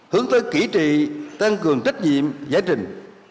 hướng tới kỷ trị tăng cường trách nhiệm giải trình